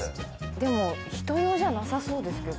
でも人用じゃなさそうですけど。